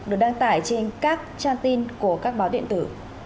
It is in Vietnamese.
được đăng tải trên các trang tin của các báo điện tử